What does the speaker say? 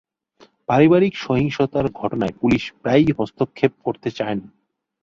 পারিবারিক সহিংসতার ঘটনায় পুলিশ প্রায়ই হস্তক্ষেপ করতে চায় না।